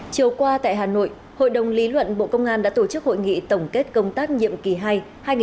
chiều qua tại hà nội hội đồng lý luận bộ công an đã tổ chức hội nghị tổng kết công tác nhiệm kỳ hai hai nghìn một mươi bảy hai nghìn hai mươi hai